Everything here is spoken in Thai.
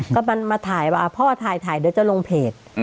ก็มันมาถ่ายว่าพ่อถ่ายเดี๋ยวจะลงเพจ